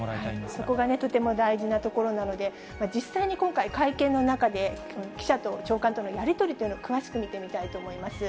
そこがね、とても大事なところなので、実際に今回、会見の中で、記者と長官とのやり取りというのを詳しく見てみたいと思います。